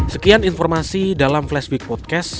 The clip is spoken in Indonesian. sekian informasi dalam flash week podcast